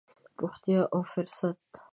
روغتيا او فرصت.